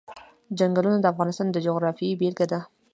چنګلونه د افغانستان د جغرافیې بېلګه ده.